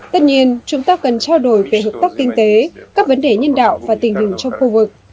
tất nhiên chúng ta cần trao đổi về hợp tác kinh tế các vấn đề nhân đạo và tình hình trong khu vực